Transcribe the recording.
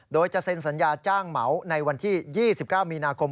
โดยจะเซ็นสัญญาจ้างเหมาในวันที่๒๙มีนาคม